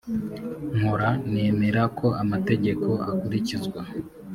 nkora nemera ko amategeko akurikizwa